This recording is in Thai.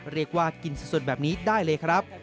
เรียกว่ากินสดแบบนี้ได้เลยครับ